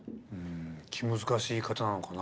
気難しい方なのかな？